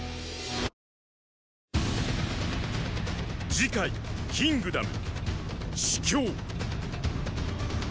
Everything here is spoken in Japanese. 次回「キングダム」